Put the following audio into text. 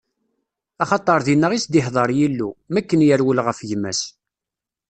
Axaṭer dinna i s-d-iḍher Yillu, mi akken yerwel ɣef gma-s.